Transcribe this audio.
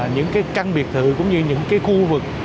những cái căn biệt thự cũng như những cái khu vực